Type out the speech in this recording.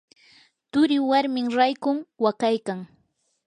turii warmin raykun waqaykan.